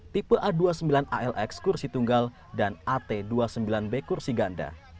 tipe a dua puluh sembilan alx kursi tunggal dan at dua puluh sembilan b kursi ganda